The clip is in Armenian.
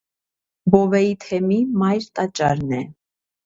Բովեի թեմի մայր տաճարն է։